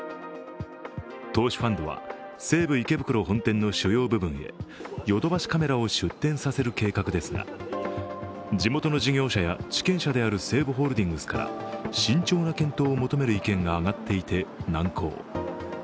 投資ファンドは西武池袋本店の主要部分へヨドバシカメラを出店させる計画ですが地元の事業者や地権者である西武ホールディングスから慎重な検討を求める意見が上がっていて難航。